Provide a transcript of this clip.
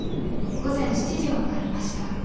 午前７時を回りました。